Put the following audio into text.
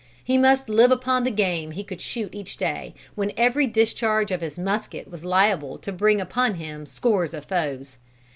He must live upon the game he could shoot each day, when every discharge of his musket was liable to bring upon him scores of foes.